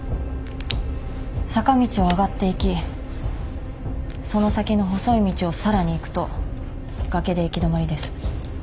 坂道を上がっていきその先の細い道をさらに行くと崖で行き止まりです。